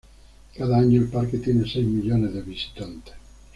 Cada año, el parque tiene seis millones de visitantes.